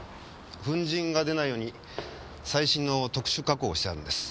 粉塵が出ないように最新の特殊加工をしてあるんです。